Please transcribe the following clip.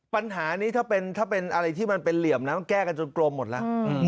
ปัญหานี้ถ้าเป็นถ้าเป็นอะไรที่มันเป็นเหลี่ยมน่ะมันแก้กันจนโกรธหมดละอืม